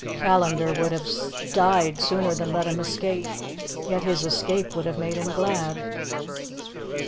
Callandar would have died sooner than let him escape, yet his escape would have made him glad.